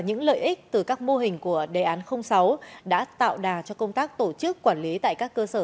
những lợi ích từ các mô hình của đề án sáu đã tạo đà cho công tác tổ chức quản lý tại các cơ sở